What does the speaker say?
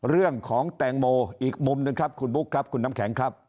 เรื่องของแตงโมอีกมุมหนึ่งครับคุณบุ๊คครับคุณน้ำแข็งครับ